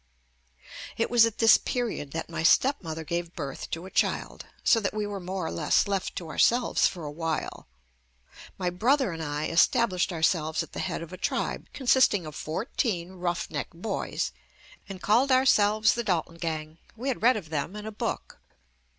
It was at this period that my stepmother gave birth to a child, so that we were more or less left to ourselves for a while. My brother and I established ourselves at the head of a tribe consisting of fourteen roughneck boys and called ourselves "The Dalton Gang." We had read of them in a book.